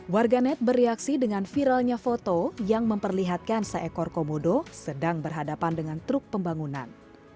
warganet bereaksi dengan viralnya foto yang memperlihatkan seekor komodo sedang berhadapan dengan truk pembangunan